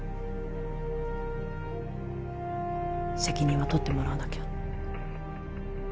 責任は取ってもらわなきゃ。